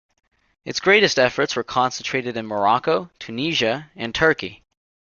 Its greatest efforts were concentrated in Morocco, Tunisia and Turkey.